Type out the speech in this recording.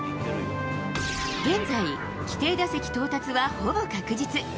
現在、規定打席到達はほぼ確実。